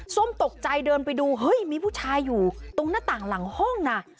ส้มตกใจเดินไปดูเฮ้ยมีผู้ชายอยู่ตรงหน้าต่างหลังห้องนะ